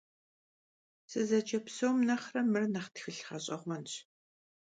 Sızece psom nexhre mır nexh txılh ğeş'eğuenş.